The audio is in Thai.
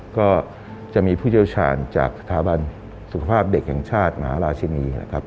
ก็จะมีผู้เชี่ยวชาญจากสถาบันสุขภาพเด็กแห่งชาติมหาราชินีนะครับ